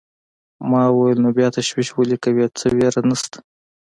ما وویل: نو بیا تشویش ولې کوې، څه وېره نشته.